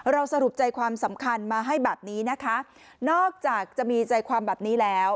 สรุปใจความสำคัญมาให้แบบนี้นะคะนอกจากจะมีใจความแบบนี้แล้ว